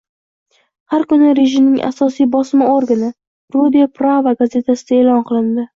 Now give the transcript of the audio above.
har kuni rejimning asosiy bosma organi - “Rude Pravo” gazetasida e’lon qilindi.